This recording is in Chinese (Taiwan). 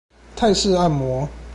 泰式按摩